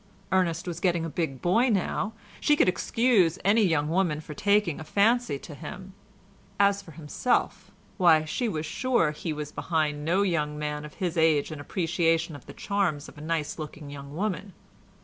Ernest was getting a big boy now. She could excuse any young woman for taking a fancy to him; as for himself, why she was sure he was behind no young man of his age in appreciation of the charms of a nice looking young woman.